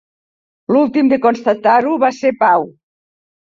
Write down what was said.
L'últim de constatar-ho va ser Pau.